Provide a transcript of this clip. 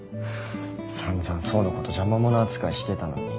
散々想のこと邪魔者扱いしてたのに。